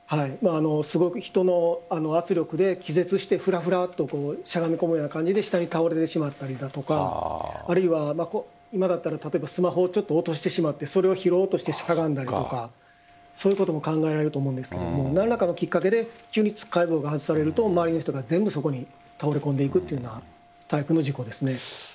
人の圧力で気絶してふらふらっとしゃがみ込むような感じで下に倒れてしまったりだとかあるいは今だったらスマホをちょっと落としてしまってそれを拾おうとしてしゃがんだりとかそういうことも考えられると思うんですけれども何らかのきっかけで急につっかえ棒が外されると周りの人が全部そこへ倒れ込んでいくという大空君